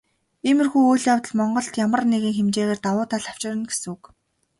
Иймэрхүү үйл явдал Монголд ямар нэгэн хэмжээгээр давуу тал авчирна гэсэн үг.